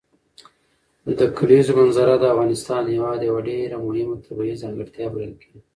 د کلیزو منظره د افغانستان هېواد یوه ډېره مهمه طبیعي ځانګړتیا بلل کېږي.